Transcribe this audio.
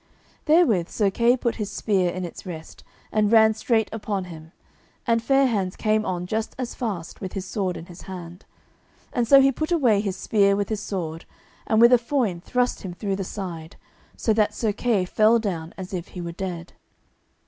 Therewith Sir Kay put his spear in its rest, and ran straight upon him, and Fair hands came on just as fast with his sword in his hand. And so he put away his spear with his sword, and with a foin thrust him through the side, so that Sir Kay fell down as if he were dead.